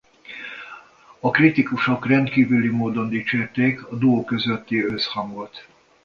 A kritikusok rendkívüli módon dicsérték a duó közötti összhangot.